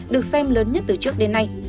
được xem lớn nhất từ trước đến nay